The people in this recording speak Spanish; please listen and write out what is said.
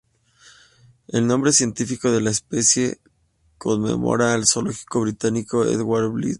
El nombre científico de la especie conmemora al zoólogo británico Edward Blyth.